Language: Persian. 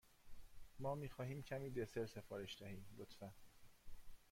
ما می خواهیم کمی دسر سفارش دهیم، لطفا.